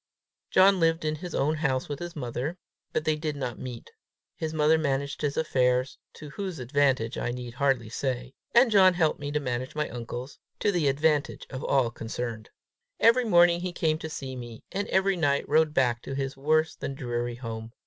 John lived in his own house with his mother, but they did not meet. His mother managed his affairs, to whose advantage I need hardly say; and John helped me to manage my uncle's, to the advantage of all concerned. Every morning he came to see me, and every night rode back to his worse than dreary home.